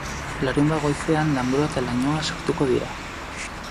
Larunbat goizean, lanbroa eta lainoa sortuko dira.